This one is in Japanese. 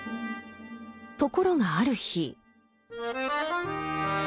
ところがある日。